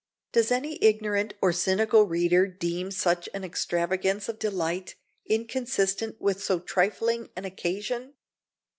Does any ignorant or cynical reader deem such an extravagance of delight inconsistent with so trifling an occasion?